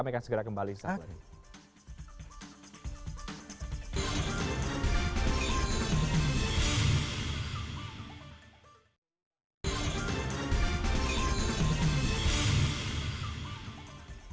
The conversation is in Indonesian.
kita akan segera kembali setelah ini